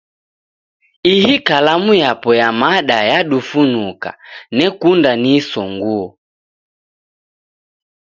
Ihi kalamu yapo ya mada yadufunuka, nekunda niisonguo.